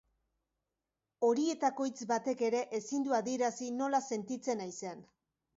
Horietako hitz batek ere ezin du adierazi nola sentitzen naizen.